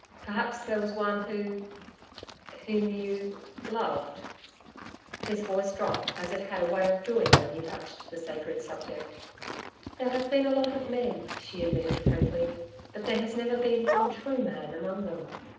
Perhaps there was one who whom you loved.' His voice dropped, as it had a way of doing when he touched the sacred subject. 'There have been a lot of men,' she admitted frankly. 'But there has never been one true Man among them.